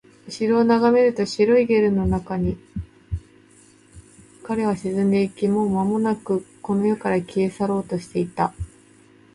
後ろを眺めると、白いゲルの中に彼は沈んでいき、もうまもなくこの世から消え去ろうとしていた